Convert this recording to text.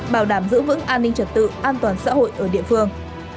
bảo đảm giữ vững an ninh trật tự an toàn xã hội ở địa phương